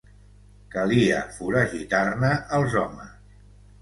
Calia foragitar-ne els homes